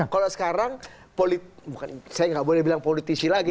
kalau sekarang saya nggak boleh bilang politisi lagi